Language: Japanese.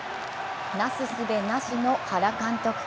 なす術なしの原監督。